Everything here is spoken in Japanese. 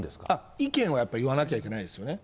意見はやっぱり言わなきゃいけないですよね。